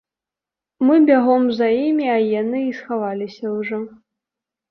Мы бягом за імі, а яны і схаваліся ўжо.